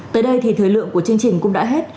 tới đây thì thời lượng của chương trình cũng đã hết